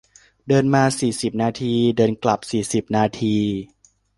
เดินมาสี่สิบนาที เดินกลับสี่สิบนาที